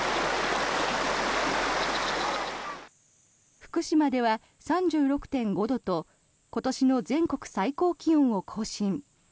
福島では３６．５度と今年の全国最高気温を更新。